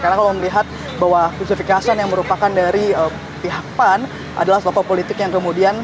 karena kalau melihat bahwa kutufik hasan yang merupakan dari pihak pan adalah tokoh politik yang kemudian